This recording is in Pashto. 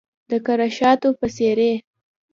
د کره شاتو په څیرې